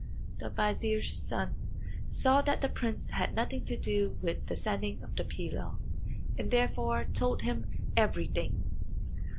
The vizier's son saw that the prince had nothing to do with the sending of the pilaw, and therefore told him everything.